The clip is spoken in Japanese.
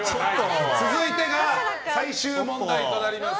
続いてが最終問題となります。